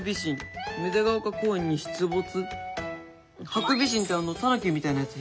ハクビシンってあのたぬきみたいなやつ？